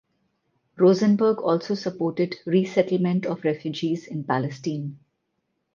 Rosenberg also supported resettlement of refugees in Palestine.